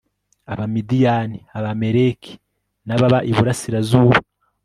Abamidiyani Abamaleki nababa Iburasirazuba